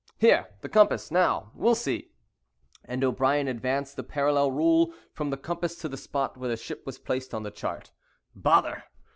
Here—the compass—now, we'll see;" and O'Brien advanced the parallel rule from the compass to the spot where the ship was placed on the chart. "Bother!